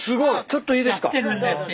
ちょっといいですか？